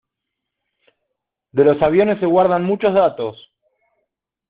de los aviones se guardan muchos datos.